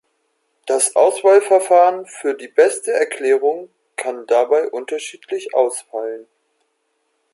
Das Auswahlverfahren für die beste Erklärung kann dabei unterschiedlich ausfallen.